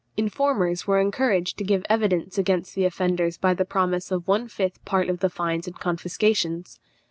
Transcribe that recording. Informers were encouraged to give evidence against the offenders by the promise of one fifth part of the fines and confiscations.